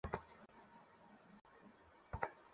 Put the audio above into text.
আমি এটা কোনও দিন স্বপ্নেও ভাবি না।